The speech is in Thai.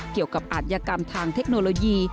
เกี่ยวกับอัตยกรรมทางเทคโนโลยี